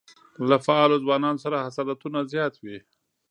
له فعالو ځوانانو سره حسادتونه زیات وي.